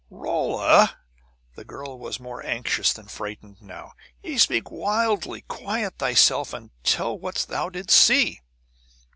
"Rolla!" The girl was more anxious than frightened now. "Ye speak wildly! Quiet thyself, and tell what thou didst see!